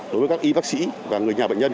đối với các y bác sĩ và người nhà bệnh nhân